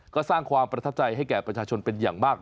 ก็สร้างความประทับใจให้แก่ประชาชนเป็นอย่างมาก